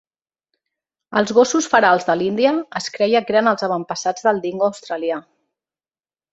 Els gossos ferals de l’Índia es creia que eren els avantpassats del Dingo australià.